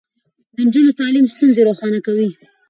د نجونو تعليم ستونزې روښانه کوي.